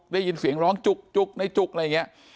ได้ยินเสียงร้องจุกในจุกอะไรอย่างนี้